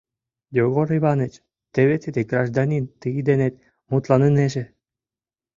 Йогор Иваныч, теве тиде гражданин тый денет мутланынеже.